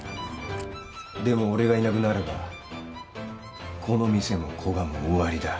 でも俺がいなくなればこの店も古賀も終わりだ